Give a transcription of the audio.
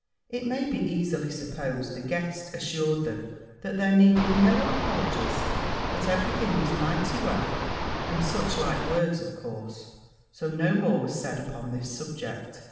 It may be easily supposed the guest assured them that there needed no apologies, that every thing was mighty well, and such like words of course: so no more was said upon this subject.